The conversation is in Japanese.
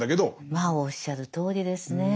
まあおっしゃるとおりですねえ。